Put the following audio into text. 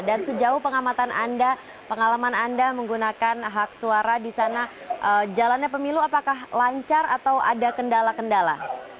dan sejauh pengalaman anda menggunakan hak suara di sana jalannya pemilu apakah lancar atau ada kendala kendala